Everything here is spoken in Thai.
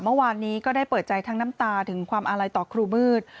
เมื่อวานนี้ก็ได้เปิดใจทั้งน้ำตาถึงความอาลัยต่อครูมืด